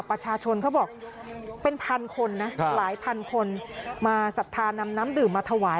ประชาชนเขาบอกเป็นพันคนนะหลายพันคนมาศรัทธานำน้ำดื่มมาถวาย